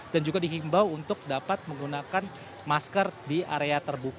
dan juga dihimbau untuk dapat menggunakan masker di area terbuka